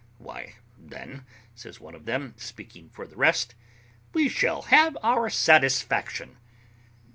"Why, then," says one of them, speaking for the rest, "we shall have our satisfaction."